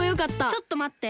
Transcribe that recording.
ちょっとまって。